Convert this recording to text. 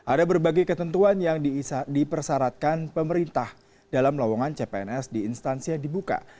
ada berbagai ketentuan yang dipersyaratkan pemerintah dalam lawangan cpns di instansi yang dibuka